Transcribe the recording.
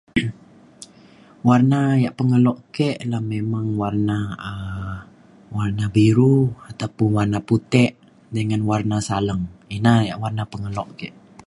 Warna ya pengelok ke memang warna um warna biru ataupun warna puti' dengan warna saleng. Inah ya warna pengelok ke.